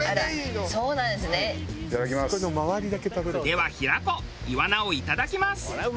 では平子イワナをいただきます。